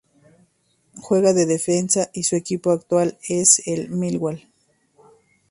Juega de defensa y su equipo actual es el Millwall.